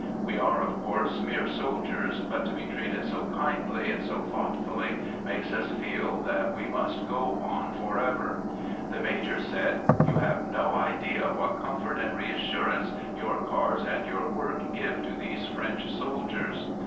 We are, of course, mere soldiers, but to be treated so kindly and so thoughtfully makes us feel that we must 52 AMERICAN AMBULANCE go on forever! The Major said, "You have no idea what comfort and reassur ance your cars and your work give to these French soldiers!"